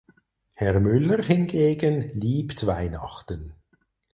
Herr Müller hingegen liebt Weihnachten.